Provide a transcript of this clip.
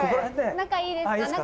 「中いいですか？」